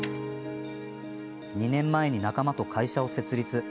２年前に仲間と会社を設立。